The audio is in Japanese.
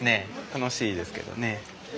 楽しいですけどね。